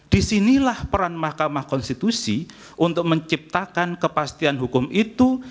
disinilah peran mahkamah konstitusi untuk menciptakan kepastian hukum itu